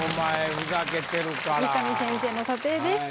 三上先生の査定です。